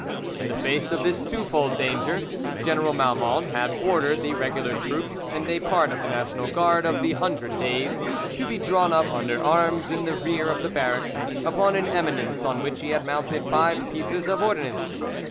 In the face of this two fold danger, General Malmont had ordered the regular troops, and a part of the National Guard of the Hundred Days, to be drawn up under arms in the rear of the barracks upon an eminence on which he had mounted five pieces of ordnance.